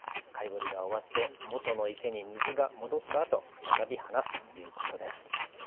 ぼりが終わって元の池に水が戻ったあと再び放すということです。